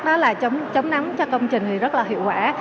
đó là chống chống nắng cho công trình thì rất là hiệu quả